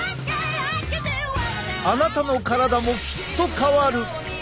あなたの体もきっと変わる！